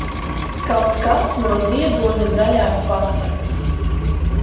Kaut kas no Ziedoņa "Zaļās pasakas".